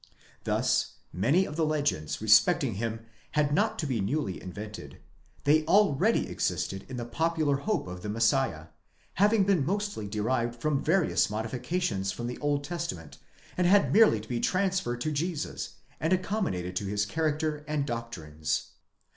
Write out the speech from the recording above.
Thus many of the legends respecting him had not to be newly invented ; they already existed in the popular hope of the Messiah, having been mostly derived with various modifications! from the Old Testament, and had merely to be transferred to Jesus,!* and accommodated to his character and doctrines.